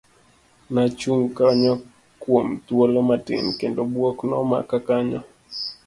Nachung' kanyo kuom thuolo matin, kendo buok nomaka kanyo.